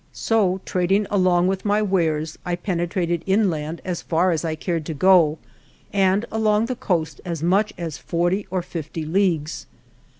So, trading along with my wares I penetrated inland as far as I cared to go and along the coast as much as forty or fifty leagues.